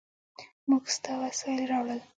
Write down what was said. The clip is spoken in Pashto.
موږ ستا وسایل راوړل.